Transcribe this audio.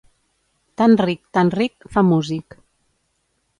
Tan ric, tan ric, fa músic.